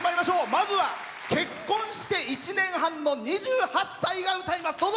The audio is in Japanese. まずは結婚して１年半の２８歳が歌います。